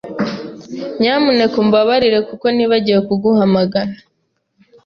Nyamuneka umbabarire kuko nibagiwe kuguhamagara.